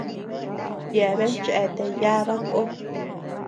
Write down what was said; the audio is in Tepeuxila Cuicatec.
Yeabean chéatea yába kó.